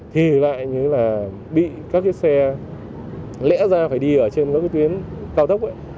thì lại như là bị các cái xe lẽ ra phải đi ở trên các cái tuyến cao tốc ấy